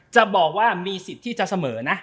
จะบอกว่ามีสิทธิ์ที่จะเสมอนะ